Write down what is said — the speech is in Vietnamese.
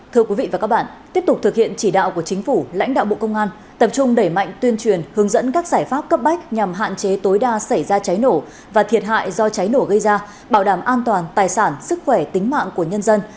thưa quý vị và các bạn tiếp tục thực hiện chỉ đạo của chính phủ lãnh đạo bộ công an tập trung đẩy mạnh tuyên truyền hướng dẫn các giải pháp cấp bách nhằm hạn chế tối đa xảy ra cháy nổ và thiệt hại do cháy nổ gây ra bảo đảm an toàn tài sản sức khỏe tính mạng của nhân dân